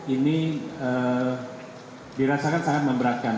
ini dirasakan sangat memberatkan